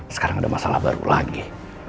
sekarang ada masalah baru lagi